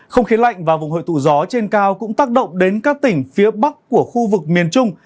không khí lạnh và vùng hội tụ gió trên cao cũng tác động đến các tỉnh phía bắc của khu vực miền trung